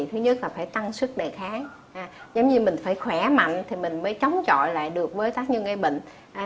thứ nhất là phải tăng sức đề kháng giống như mình phải khỏe mạnh thì mình mới chống chọi lại được với tác nhân gây bệnh